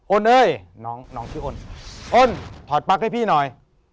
เอ้ยน้องชื่ออ้นอ้นถอดปลั๊กให้พี่หน่อย